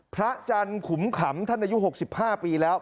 พระจันทร์ขุมขำท่านอายุ๖๕ปีแล้ว